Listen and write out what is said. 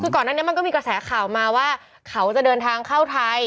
คือก่อนหน้านี้มันก็มีกระแสข่าวมาว่าเขาจะเดินทางเข้าไทย